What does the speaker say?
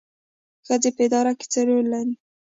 ښځې په اداره کې څه رول لري؟